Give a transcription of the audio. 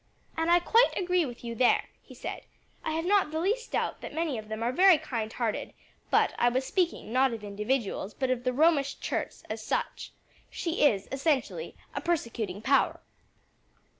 "And I quite agree with you there," he said; "I have not the least doubt that many of them are very kind hearted; but I was speaking, not of individuals, but of the Romish Church as such. She is essentially a persecuting power."